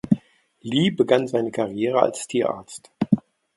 Lee begann seine Karriere als Tierarzt.